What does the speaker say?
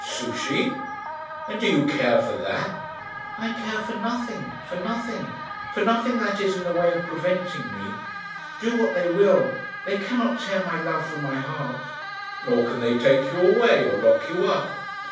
"Souchey! And do you care for that?" "I care for nothing for nothing; for nothing, that is, in the way of preventing me. Do what they will, they cannot tear my love from my heart." "Nor can they take you away, or lock you up."